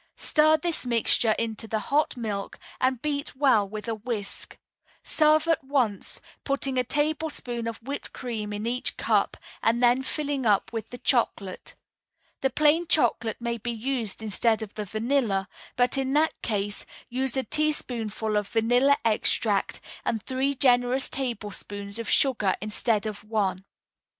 Stir this mixture into the hot milk, and beat well with a whisk. Serve at once, putting a tablespoonful of whipped cream in each cup and then filling up with the chocolate. The plain chocolate may be used instead of the vanilla, but in that case use a teaspoonful of vanilla extract and three generous tablespoonfuls of sugar instead of one.